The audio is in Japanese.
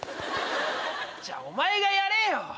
じゃあお前がやれよ！